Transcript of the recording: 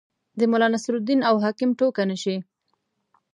د ملا نصرالدین او حاکم ټوکه نه شي.